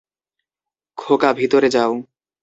খোকা ভিতরে যাও।